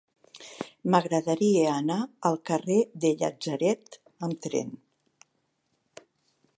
M'agradaria anar al carrer del Llatzeret amb tren.